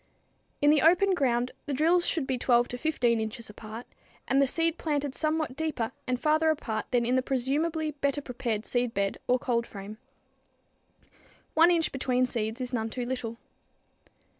In the open ground the drills should be 12 to 15 inches apart, and the seed planted somewhat deeper and farther apart than in the presumably better prepared seedbed or cold frame. One inch between seeds is none too little.